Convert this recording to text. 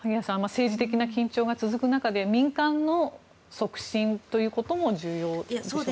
政治的な緊張が続く中で民間の促進ということも重要でしょうか。